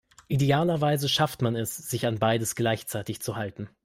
Idealerweise schafft man es, sich an beides gleichzeitig zu halten.